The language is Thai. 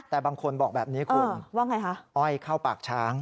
แต่บางคนบอกแบบนี้คุณว่าไงคะอ้อยเข้าปากช้าง